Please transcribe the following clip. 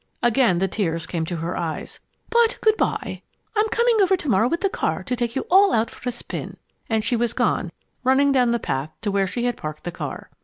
Again the tears came into her eyes. "But good by! I'm coming over to morrow with the car to take you all out for a spin!" And she was gone, running down the path to where she had parked the car.